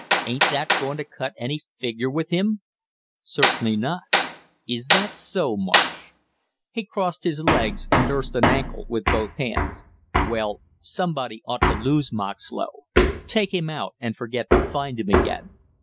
"Ain't that going to cut any figure with him?" "Certainly not." "Is that so, Marsh?" He crossed his legs and nursed an ankle with both hands. "Well, somebody ought to lose Moxlow, take him out and forget to find him again.